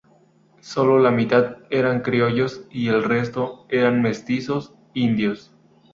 Sólo la mitad eran criollos y el resto eran mestizos, indios.